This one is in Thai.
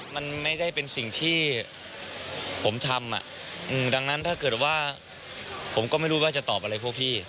มันไม่ได้เป็นสิ่งที่ผมทำดังนั้นถ้าเกิดว่าผมก็ไม่รู้ว่าจะตอบอะไรพวกพี่